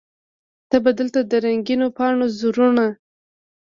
ته به دلته د رنګینو پاڼو زړونه